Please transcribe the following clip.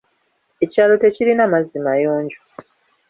Ekyalo tekirina mazzi mayonjo.